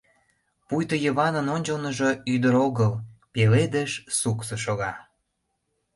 Пуйто Йыванын ончылныжо ӱдыр огыл, пеледыш суксо шога.